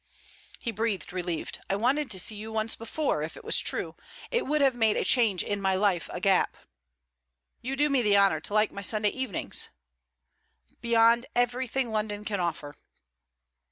He breathed relieved. 'I wanted to see you once before... if it was true. It would have made a change in my life a gap.' 'You do me the honour to like my Sunday evenings?' 'Beyond everything London can offer.'